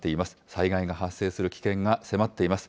災害が発生する危険が迫っています。